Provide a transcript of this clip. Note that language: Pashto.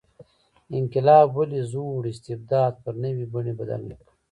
انقلاب ولې زوړ استبداد پر نوې بڼې بدل نه کړ.